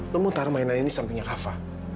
lu mau taruh mainan ini sampingnya kafa